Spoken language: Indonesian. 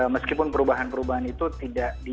meskipun perubahan perubahan itu tidak di